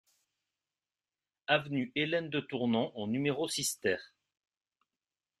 Avenue Hélène de Tournon au numéro six TER